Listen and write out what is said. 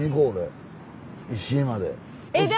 石井まで。